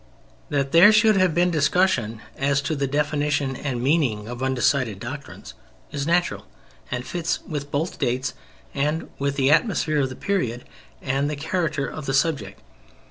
That there should have been discussion as to the definition and meaning of undecided doctrines is natural, and fits in both with the dates and with the atmosphere of the period and with the character of the subject.